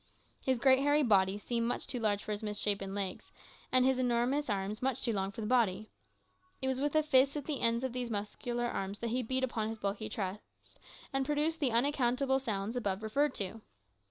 His great hairy body seemed much too large for his misshapen legs, and his enormous arms much too long for the body. It was with the fists at the ends of those muscular arms that he beat upon his bulky chest, and produced the unaccountable sounds above referred to.